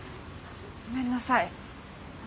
ごめんなさい私。